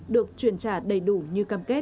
được truyền trả đầy đủ như cam kết